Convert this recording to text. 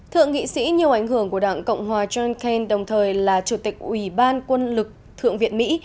thượng nghị sĩ nhiều ảnh hưởng của đảng cộng hòa john ken đồng thời là chủ tịch ủy ban quân lực thượng viện mỹ